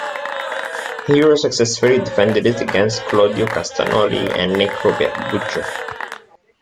Hero successfully defended it against Claudio Castagnoli and Necro Butcher.